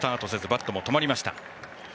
バットも止まりました。